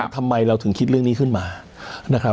ทำไมเราถึงคิดเรื่องนี้ขึ้นมา